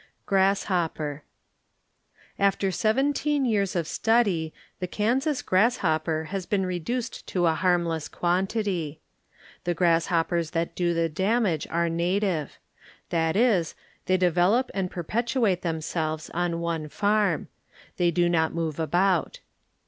Grasshopper After seventeen years of study the Kansas grasshopper has been reduced to a harmless quantity. The grasshoppers that do the damage are native. That is, they develop and perpetuate themselves on one farm; they do not move about.